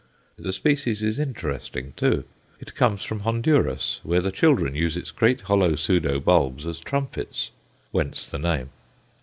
The species is interesting, too. It comes from Honduras, where the children use its great hollow pseudo bulbs as trumpets whence the name.